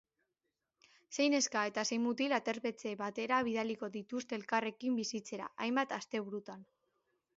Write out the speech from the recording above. Sei neska eta sei mutil aterpetxe batera bidaliko dituzte elkarrekin bizitzera hainbat asteburutan.